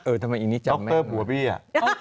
เออทำไมอันนี้จำแม่มากด็อกเตอร์ผัวพี่อ่ะ